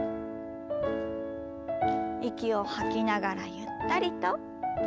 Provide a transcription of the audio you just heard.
息を吐きながらゆったりと。